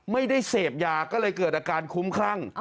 ไม่ได้เสพยาก็เลยเกิดอาการคุ้มคลั่ง